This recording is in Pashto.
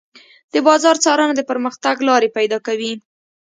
د بازار څارنه د پرمختګ لارې پيدا کوي.